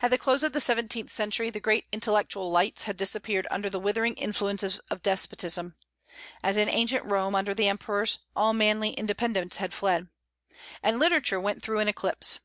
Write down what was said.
At the close of the seventeenth century the great intellectual lights had disappeared under the withering influences of despotism, as in ancient Rome under the emperors all manly independence had fled, and literature went through an eclipse.